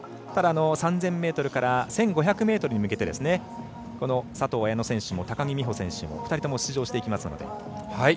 ただ、３０００ｍから１５００ｍに向けて佐藤綾乃選手も高木美帆選手も２人とも出場していきますので。